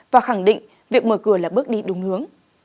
và khẳng định việc mở cửa là bước đi đúng hướng